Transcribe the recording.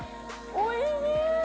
おいしい。